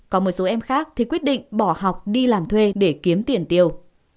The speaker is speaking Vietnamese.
còn một số em khác thì quyết định bỏ học đi làm thuê để kiếm tiền tiêu